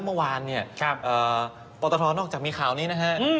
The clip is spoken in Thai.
มันวันเนี่ยปตทนอกจากมีข่าวนี้นะครับ